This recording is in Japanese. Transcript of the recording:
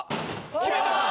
決めたー！